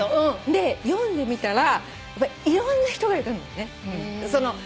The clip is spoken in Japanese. で読んでみたらいろんな人がいるんだよね。